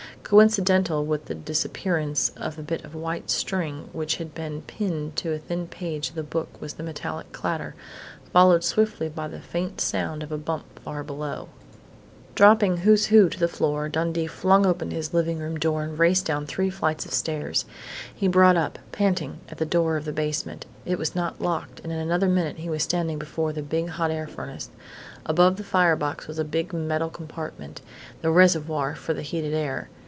Coincidental with the disappearance of a bit of white string which had been pinned to a thin page of the book was a metallic clatter, followed swiftly by the faint sound of a bump far below. Dropping "Who's Who" to the floor, Dundee flung open his living room door and raced down three flights of stairs. He brought up, panting, at the door of the basement. It was not locked and in another minute he was standing before the big hot air furnace. Above the fire box was a big metal compartment the reservoir for the heated air.